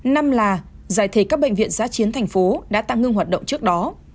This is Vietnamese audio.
năm là giải thể các bệnh viện giá chiến thành phố đã tăng ngưng hoạt động trước đó